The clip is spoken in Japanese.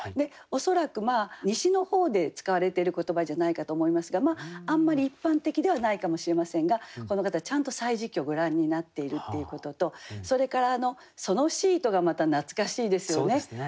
恐らく西の方で使われてる言葉じゃないかと思いますがあんまり一般的ではないかもしれませんがこの方ちゃんと「歳時記」をご覧になっているっていうこととそれから「ソノシート」がまた懐かしいですよね。